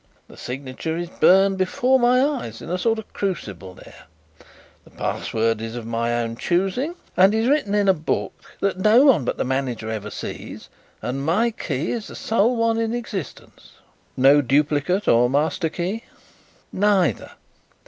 The signature is burned before my eyes in a sort of crucible there, the password is of my own choosing and is written only in a book that no one but the manager ever sees, and my key is the sole one in existence." "No duplicate or master key?" "Neither.